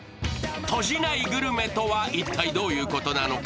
閉じないグルメとは一体どういうことなのか。